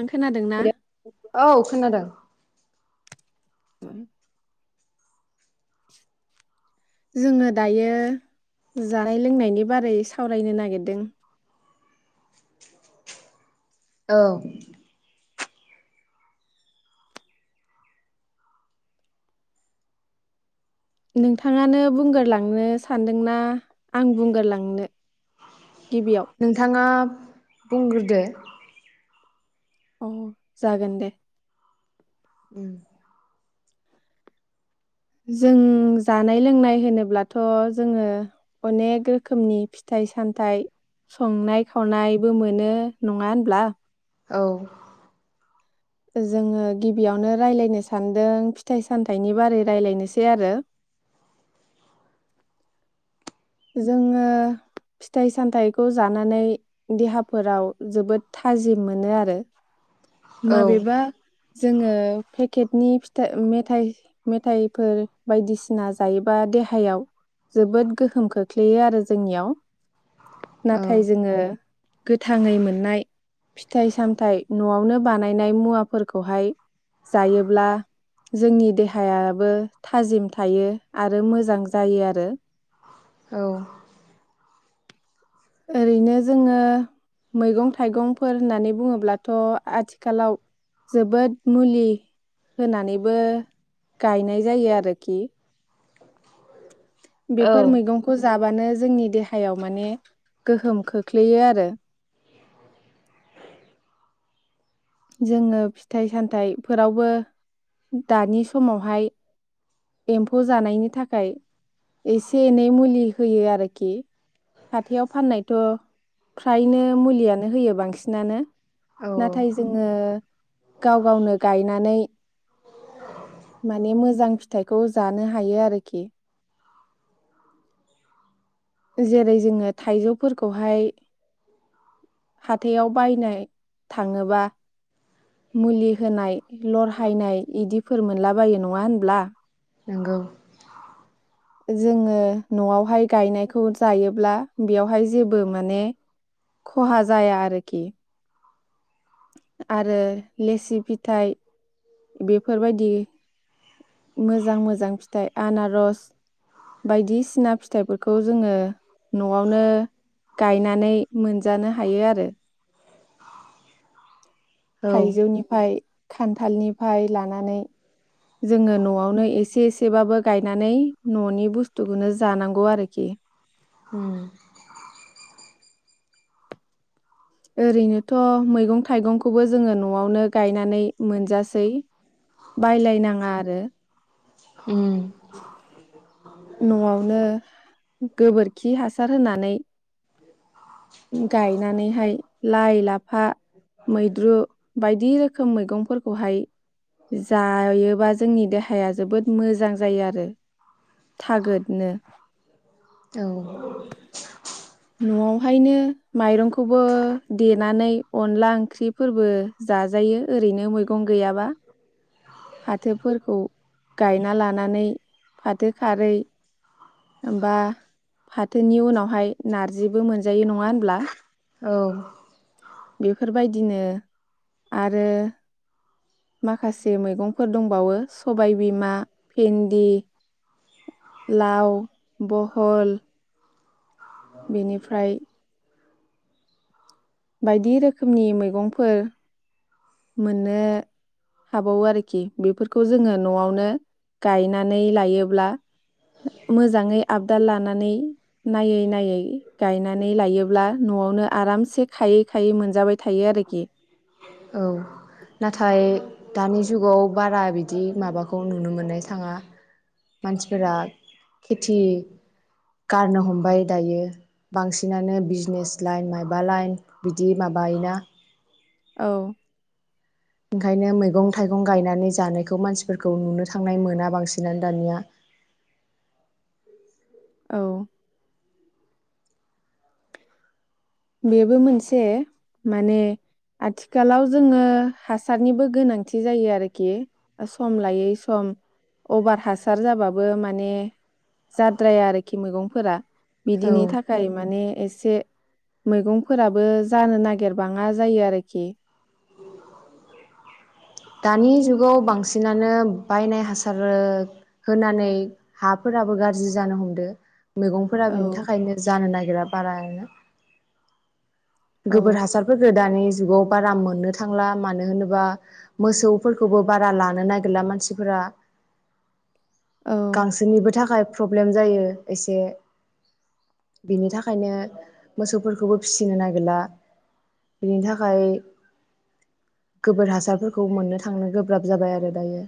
नों खोनादोंना? हेल औ खोनादों। उम जोङो दायो जानाय लोंनायनि बारै सावरायनो नागिरदों। औ। नोंथाङानो बुंगोरलांनो सानदोंना आं बुंगोरलांनो? गिबियाव नोंथाङा बुंगोरदो अ जागोन दे। उम जों जानाय लोंनाय होनोब्लाथ' जोङो अनेक रोखोमनि फिथाइ सामथाइ संनाय खावनायबो मोनो नङा होनब्ला? औ। जोङो गिबियावनो रायलायनो सानदों फिथाइ सामथाइनि बारै रायलायनोसै आरो जोङो फिथाइ सामथाइखौ जानानै देहाफोराव जोबोद थाजिम मोनो आरो औ माबेबा जोङो पेकेटनि फिथाइ मेथाइ मेथाइफोर बायदिसिना जायोबा देहायाव जोबोद गो होम खोख्लैयो आरो जोंनियाव नाथाय जोङो गोथाङै मोननाय फिथाइ सामथाइ न'आवनो बानायनाय मुवाफोरखौहाय जायोब्ला जोंनि देहायाबो थाजिम थायो। आरो मोजां जायो आरो। औ। ओरैनो जोङो मैगं थाइगंफोर होननानै बुङोब्लाथ' आथिखालाव जोबोद मुलि होनानैबो गायनाय जायो आरोखि औ बेफोर मैंगंखौ जा बानो जोंनि देहायाव माने गोहोम खोख्लैयो आरो जोङो फिथाइ सामथायाइफोरावबो दानि समावहाय एम्फौ जानायनि थाखाय एसे एनै मुलि होयो आरोखि हाथायाव फाननायथ' फ्रायनो मुलियानो होयो बांसिनानो। औ-औ ओ गाव गावनो गायनानै माने मोजां फिथाइखौ जानो हायो आरोखि जेरै जोङो थाइजौफोरखौहाय हाथायाव बायनो थाङोबा मुलि होनाय लरहा हायनाय इदिफोर मोनलाबायो नङा होनब्ला? नोंगौ। जोङो न'आवहाय गायनायखौ जायोब्ला बेयावहाय जेबो माने खहा जाया आरोखि। आरो लेसि फिथाइ बेफोरबायदि मोजां मोजां फिथाइ आनारस बायदिसिना फिथाइफोरखौ जोङो न'आवनो गायनानै मोनजानो हायो आरो। औ थाइजौनिफाय खान्थालनिफाय लानानै जोङो न'आवनो एसे एसेबाबो गायनानै न'नि बु स्थुखौनो जानांगौ आरोखि हम। ओरैनोथ' मैगं थाइगंखौबो जोङो न'आवनो गायनानै मोनजासै बायलायनाङा आरो उम [inaudible] न'आवनो गोबोरखि हासार होनानै गायनानैहाय लाइ लाफा मैद्रु बायदि रोखोम मैगंफोरखौहाय जायोबा जोंनि देहाया जोबोद मोजां जायो आरो थागोदनो। औ। न'आवहायनो माइरंखौबो देनानै अनला ओंख्रिफोरबो जाजायो ओरैनो मैगं गैयाबा फाथोफोरखौ गायना लानानै फाथो खारै। होमबा फाथोनि उनावहाय नारजिबो मोनजायो नङा होनब्ला? औ बेफोरबायदिनो आरो माखासे मैगंफोर दंबावो सबायबिमा भेन्दि लाव। बहल। बेनिफ्राय। बायदि रोखोमनि मैगंफोर। मोननो हाबावो आरोखि बेफोरखौ जोङो न'आवनो गायनानै लायोब्ला मोजाङै आबदाल लानानै नायै नायै गायनानै लायोब्ला न'आवनो आरामसे खायै खायै मोनजाबाय थायो आरोखि। औ नाथाय। दानि जुगाव बारा बिदि माबाखौ नुनो मोननाय थाङा मानसिफोरा खेथि गारनो हमबाय दायो बांसिनानो बिजनेस लाइन माबा लाइन। बिदि माबायोना। औ। ओंखायनो मैगं थाइगं गायनानै जानायखौ मानसिफोरखौ नुनो थांनाय मोना बांसिनानो दानिया। औ। बेबो मोनसे माने आथिखालाव जोङो हासारनिबो गोनांथि जायो आरोखि सम लायै सम अभार हासार जाबाबो माने जाद्राया आरोखि मैगंफोरा। औ बिदिनि थाखाय माने। एसे। मैगंफोराबो जानो नागिरबाङा जायो आरोखि। दानि जुगाव बांसिनानो। बायनाय हासार होनानै हाफोराबो गाज्रि जानो हमदो। मैगंफोरा औ बेनि थाखायनो जानो नागिरा। बारायनो। औ गोबोर हासारफोरखो दानि [unintelligible] जुगाव बारा मोननो थांला मानो होनोबा। मोसौफोरखौबो बारा लानो नागिरला मानसिफोरा। औ गांसोनिबो थाखाय। प्रब्लेम जायो एसे बिनि थाखायनो मोसौफोरखौबो फिसिनो नागिरला बिनि थाखाय गोबोर हासारफोरखौ। खौ मोननो थांनो गोब्राब जाबाय आरो दायो।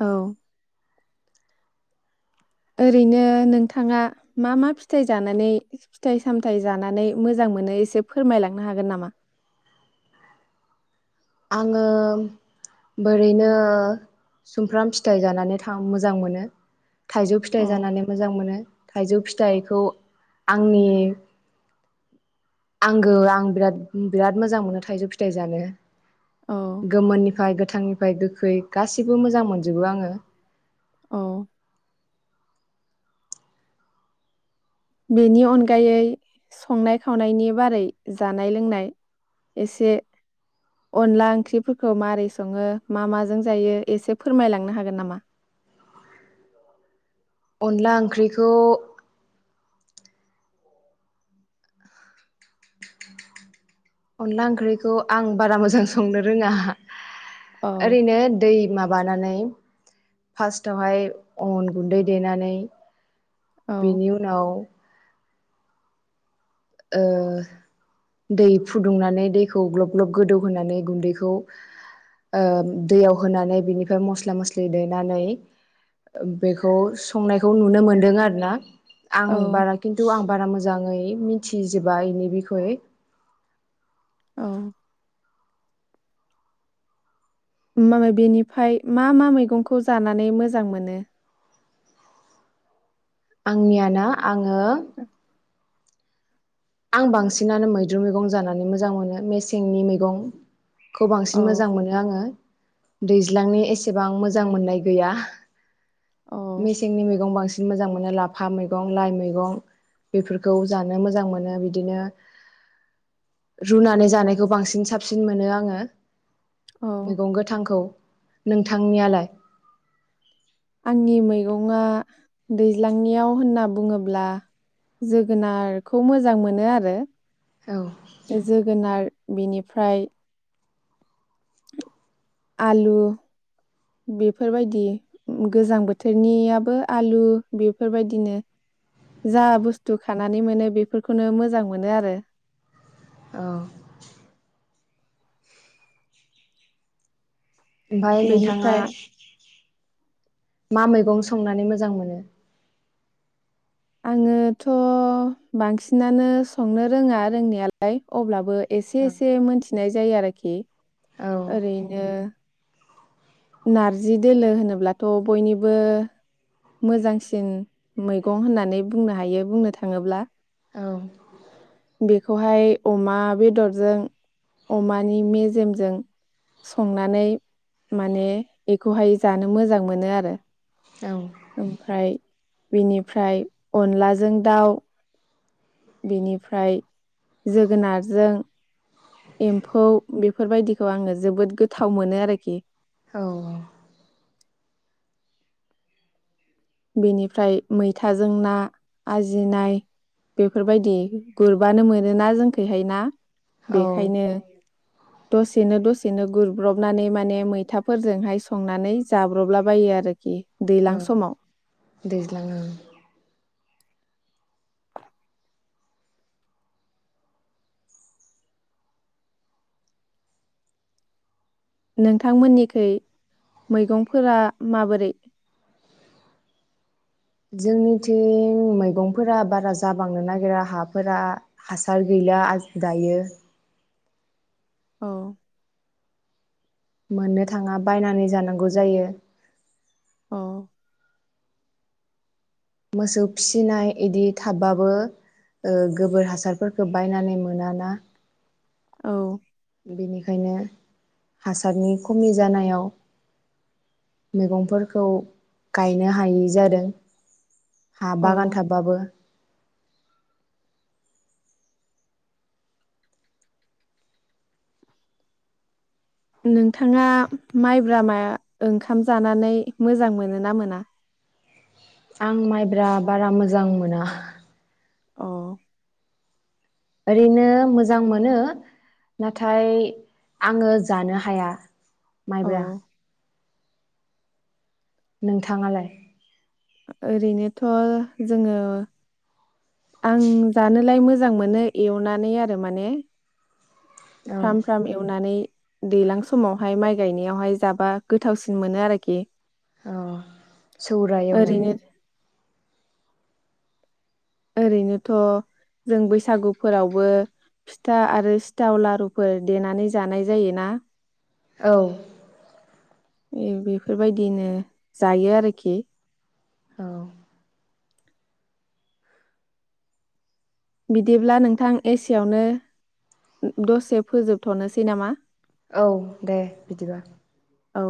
औ। ओरैनो नोंथाङा मा मा फिथायाइ जानानै फिथाइ सामथाय जानानै मोजां मोनो एसे फोरमायलांनो हागोन नामा? आङो बोरैनो सुमफ्राम फिथाइ जानानै थ मोजां मोनो। थाइजौ फिथाइ अ जानानै मोजां मोनो। थाइजौ फिथाइखौ आंनि आंगो आं बिराद बिराद मोजां मोनो थाइजौ फिथाइ जानो। औ गोमोननिफाय गोथ। गोथांनिफ्राय गोखै गासिबो मोजां मोनजोबो आङो। औ। बेनि अनगायै संनाय खावनायनि बारै जानाय लोंनाय एसे अनला ओंख्रिफोरखौ मारै सङो मा माजों जायो एसे फोरमायलांनो हागोन नामा। अनला ओंख्रिखौ। अनला ओंख्रिखौ आं बारा मोजां संनो रोङा। औ ओरैनो दै माबानानै। फार्स्टआवहाय अन गुन्दै देनानै औ बेनि उनाव दै फुदुंनानै दैखौ ग्लब ग्लब गोदौहोनानै गुन्दैखौ दैयाव होनानै बिनिफ्राय मस्ला मस्लि देनानै बेखौ संनायखौ नुनो मोनदों आरो ना आं औ बारा खिन्थु आं बारा मोजां मोजाङै मिथिजोबा इनि बिखय औ म बेनिफ्राय मा मा मैगंखौ जानानै मोजां मोनो? आंनियाना आं द' आं बांसिनानो मैद्रु मैगं जानानै मोजां मोनो मेसेंनि मैगं खौ औ बांसिन मोजां मोनो आङो। दैज्लांनि एसेबां मोजां मोननाय गैया। औ मेसेंनि मैगं बांसिन मोजां मोनो लाफा मैगं लाइ मैगं बेफोरखौ जानो मोजां मोनो बिदिनो रुनानै जानायखौ बांसिन साबसिन मोनो आङो औ मैगं गोथांखौ। नोंथांनियालाय? आंनि मैगंआ दैज्लांनियाव होनना बुङोब्ला जोगोनारखौ मोजां मोनो आरो। औ जोगोनार बिनिफ्राय आलु बेफोरबायदि गोजां बोथोरनियाबो आलु बेफोरबायदिनो जा बुस्थु खानानै मोनो बेफोरखौनो मोजां मोनो आरो। औ ओमफाय नोंथाङा बेनिफ्राय मा मैगं संनानै मोजां मोनो? आङोथ' बांसिनानो संनो रोङा रोंनायालाय अब्लाबो एसे औ एसे मोनथिनाय जायो आरोखि। औ ओरैनो नारजि दोलो होनोब्लाथ' बयनिबो मोजांसिन मैगं होननानै बुंनो हायो बुंनो थाङोब्ला। औ बेखौहाय अमा बेदरजों अमानि मेजेमजों संनानै माने बेखौहाय जानो मोजां मोनो आरो ओमफ्राय बेनिफ्राय अनलाजों दाउ बेनि। ओमफ्राय जोगोनारजों। एम्फौ बेफोरबायदिखौ आङो जोबोद गोथाव मोनो आरोखि। औ बेनिफ्राय मैथाजों ना आजिनाय बेफोरबायदि गुरबानो मोनोना जोंखैहाय ना औ बेखायनो दसेनो दसेनो गुरब्रबनानै माने मैथाफोरजोंहाय संनानै जाब्रबलाबायो आरोखि। औ दैज्लां समाव दैज्लां। नोंथांमोननिखै मैगंफोरा माबोरै। जोंनिथिं मैगंफोरा बारा जाबांनो नागिरा हाफोरा हासार गैला दायो। औ। मोननो थाङा बायनानै जानांगौ जायो। अ। मोसौ फिसिनाय इदि थाबाबो ओ गोबोर हासारफोरखौ बायनानै मोनाना। औ। बेनिखायनो हासारनि खमि जानायाव मैगंफोरखौ गायनो हायै जादों। हा औ बागान थाबाबो। नोंथाङा माइब्रामा ओंखाम जानानै मोजां मोनो ना मोना? आं माइब्रा बारा मोजां मोना। अ। ओरैनो मोजां मोनो नाथाय आङो जानो हाया। अ माइब्रा नोंथाङालाय? ओरैनोथ' जोङो। आं जानोलाय मोजां मोनो एवनानै आरो माने। औ फ्राम फ्राम एवनानै दैलां समावहाय माइ गायनायावहाय जाबा गोथावसिन मोनो आरोखि। अ सौराय एवनाय ओरैनो ओरैनोथ' जों बैसागुफोरावबो फिथा आरो सिथाव लारुफोर देनानै जानाय जायोना। औ। बेफोरबायदिनो जायो आरोखि। औ। बिदिब्ला नोंथां एसेयावनो दसे फोजोबथ'नोसै नामा? औ दे बिदिबा औ।